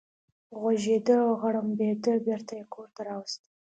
غوږېده او غړمبېده، بېرته یې کور ته راوست.